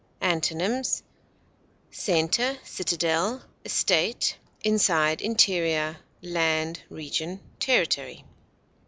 Antonyms: center, citadel, estate, inside, interior, land, region, territory.